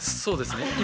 そうですね